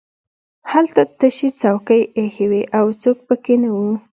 هلته تشې څوکۍ ایښې وې او څوک پکې نه وو